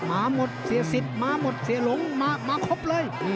มาหมดเสีย๑๐มาหมดเสียหลวงมาครบเลย